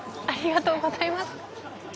ありがとうございます。